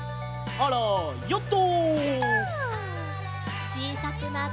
あらヨット！